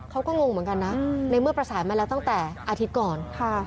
งงเหมือนกันนะในเมื่อประสานมาแล้วตั้งแต่อาทิตย์ก่อน